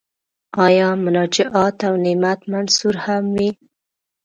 آیا مناجات او نعت منثور هم وي.